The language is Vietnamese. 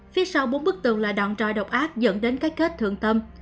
phía sau bốn bức tường là đòn trò độc ác dẫn đến cái kết thượng tâm